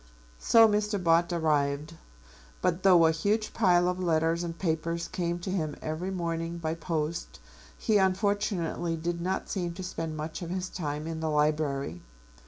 So Mr. Bott arrived. But though a huge pile of letters and papers came to him every morning by post, he unfortunately did not seem to spend much of his time in the library.